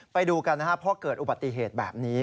ไปดูกันนะครับเพราะเกิดอุบัติเหตุแบบนี้